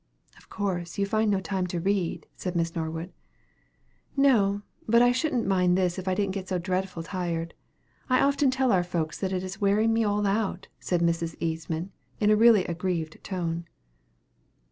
"Of course, you find no time to read," said Miss Norwood. "No; but I shouldn't mind this, if I didn't get so dreadful tired. I often tell our folks that it is wearing me all out," said Mrs. Eastman, in a really aggrieved tone.